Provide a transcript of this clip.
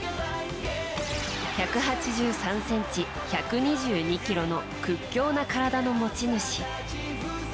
１８３ｃｍ、１２２ｋｇの屈強な体の持ち主。